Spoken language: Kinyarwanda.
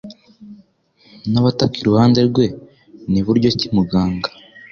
n’abataka iruhande rwe, ni buryo ki muganga